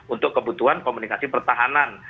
untuk kebutuhan komunikasi pertahanan